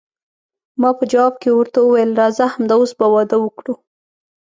ما په جواب کې ورته وویل، راځه همد اوس به واده وکړو.